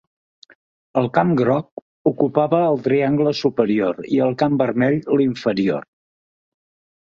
El camp groc ocupava el triangle superior i el camp vermell l'inferior.